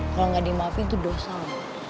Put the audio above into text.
kalau gak dimaafin itu dosa mbah